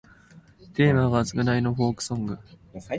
テーマが償いのフォークソング